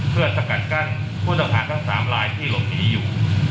เพื่อสกัดกั้นผู้ต้องหาทั้ง๓ลายที่หลบหนีอยู่